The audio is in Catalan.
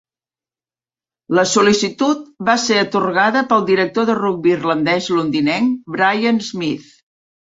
La sol·licitud va ser atorgada pel director de rugbi irlandès londinenc Brian Smith.